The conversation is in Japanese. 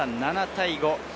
７対５。